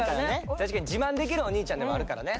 確かに自慢できるおにいちゃんでもあるからね。